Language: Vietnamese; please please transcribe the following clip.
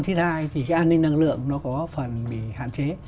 thì cái an ninh năng lượng nó có phần bị hạn chế